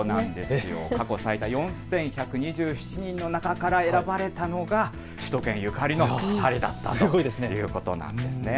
過去最多の４１２７人の中から選ばれたのが首都圏ゆかりの２人だったということなんですね。